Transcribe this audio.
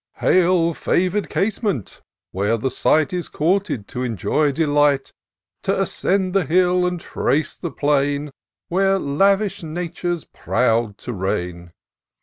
" Hail, favour'd casement! where the sight Is courted to enjoy dehght. E E 210 TOUR OF DOCTOR SYNTAX T' ascend the hill, and trace the plain. Where lavish Nature's proud to reign